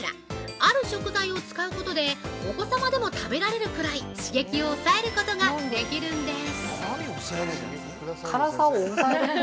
ある食材を使うことでお子様でも食べられるくらい刺激を抑えることができるんです。